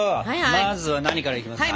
まずは何からいきますか？